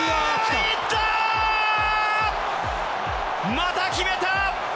また決めた！